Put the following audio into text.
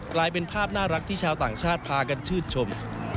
กลายเป็นภาพน่ารักที่ชาวต่างชาติพากันชื่นชม